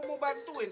lu mau bantuin